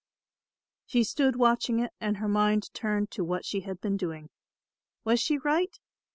She stood watching it and her mind turned to what she had been doing. Was she right?